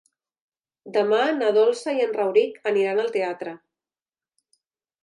Demà na Dolça i en Rauric aniran al teatre.